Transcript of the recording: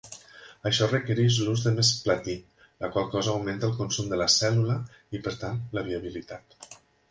Això requereix l'ús de més platí, la qual cosa augmenta el consum de la cèl·lula i, per tant, la viabilitat.